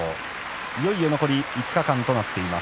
いよいよ残り５日間となっています。